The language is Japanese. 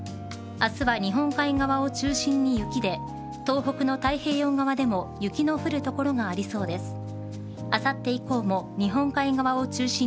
明日は日本海側を中心に雪で東北の太平洋側でも雪の降る所がありそうです。